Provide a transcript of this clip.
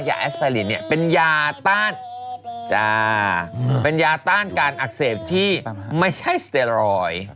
แอสไพรินเนี่ยเป็นยาต้านจ้าเป็นยาต้านการอักเสบที่ไม่ใช่สเตรอย